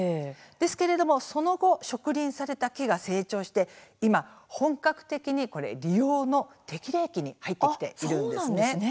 ですけれどもその後植林された木が成長して今本格的に利用の適齢期に入ってきているんですね。